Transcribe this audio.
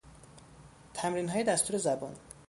تمرینهای دستور زبان